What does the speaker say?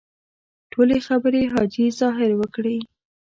ټولې خبرې حاجي ظاهر وکړې.